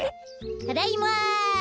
ただいま！